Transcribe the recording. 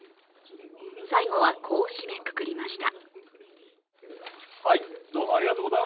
最後は、こう締めくくりました。